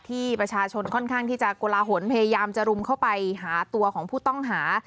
ที่ประชาชนค่อนข้างที่จะโกลาหลพยายามจะรุมเข้าไปหาตัวของผู้ต้องหา